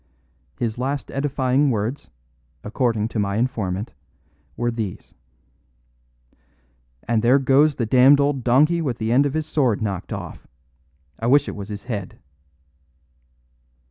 His last edifying words, according to my informant, were these: 'And there goes the damned old donkey with the end of his sword knocked off. I wish it was his head.